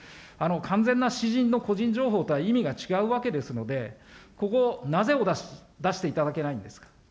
完全な私人の個人情報とは意味が違うわけですので、ここ、なぜ出していただけないんですか。